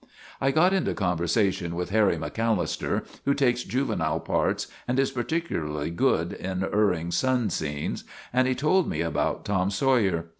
I got into conversation with Harry McAllister, who takes juvenile parts and is particularly good in erring son scenes, and he told me about Tom Saw yer.